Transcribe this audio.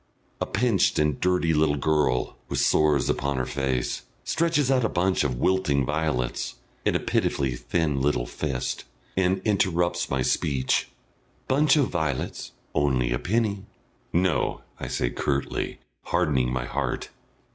A pinched and dirty little girl, with sores upon her face, stretches out a bunch of wilting violets, in a pitifully thin little fist, and interrupts my speech. "Bunch o' vi'lets on'y a penny." "No!" I say curtly, hardening my heart.